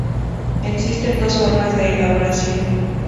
Existen dos formas de elaboración.